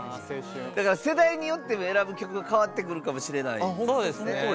だから世代によっても選ぶ曲が変わってくるかもしれないですよね。